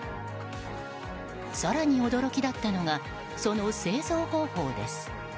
更に驚きだったのがその製造方法です。